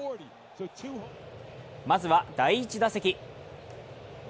まずは第１打席。